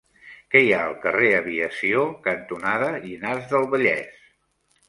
Què hi ha al carrer Aviació cantonada Llinars del Vallès?